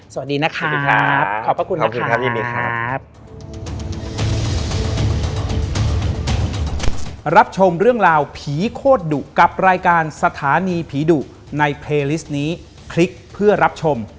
สวัสดีนะครับขอบพระคุณนะครับ